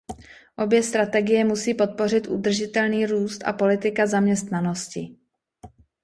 Obě strategie musí podpořit udržitelný růst a politika zaměstnanosti.